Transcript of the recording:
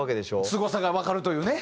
すごさがわかるというね。